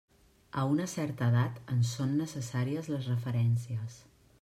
A una certa edat ens són necessàries les referències.